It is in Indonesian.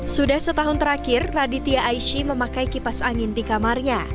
sudah setahun terakhir raditya aisyi memakai kipas angin di kamarnya